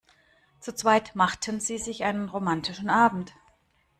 Zu zweit machten sie sich einen romantischen Abend.